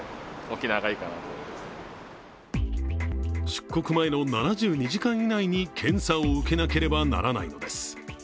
出国前の７２時間以内に検査を受けなければならないのです。